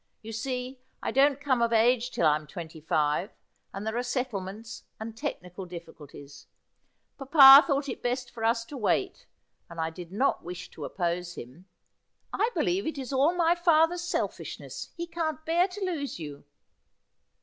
You see, I don't come of age till I'm twenty five, and there are settlements and technical difficulties. Papa thought it best for us to wait, and I did not wish to oppose him.' 'Curteis She toas, Discrete, and DebonaireJ 51 ' I believe it is all my father's selfishness. He can't bear to lose you.'